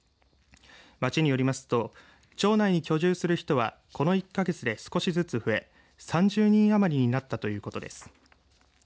町によりますと町内に居住する人はこの１か月で少しずつ増え３０人余りになったということです。